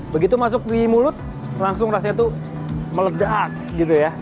begitu masuk di mulut langsung rasnya tuh meledak gitu ya